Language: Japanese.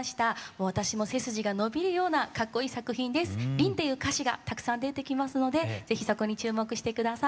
「凛」という歌詞がたくさん出てきますのでぜひそこに注目して下さい。